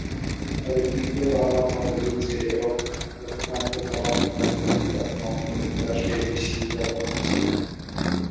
তবে তীব্র আবাদ পদ্ধতির চেয়ে রক্ষণাত্মক আবাদ পদ্ধতিই এখন মার্কিন যুক্তরাষ্ট্রে বেশি ব্যবহার হচ্ছে।